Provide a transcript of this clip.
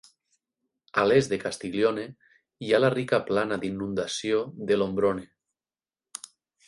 A l'est de Castiglione hi ha la rica plana d'inundació de l'Ombrone.